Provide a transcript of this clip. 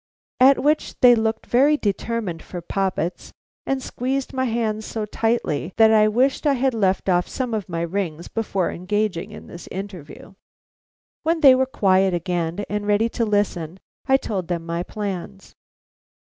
At which they looked very determined for poppets, and squeezed my hands so tightly that I wished I had left off some of my rings before engaging in this interview. When they were quiet again and ready to listen I told them my plans.